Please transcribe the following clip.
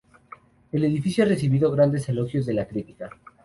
El edificio ha recibido grandes elogios de la crítica.